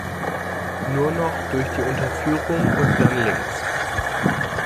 Nur noch durch die Unterführung und dann links.